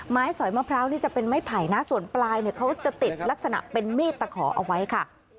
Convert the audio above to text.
สอยมะพร้าวนี่จะเป็นไม้ไผ่นะส่วนปลายเนี่ยเขาจะติดลักษณะเป็นมีดตะขอเอาไว้ค่ะ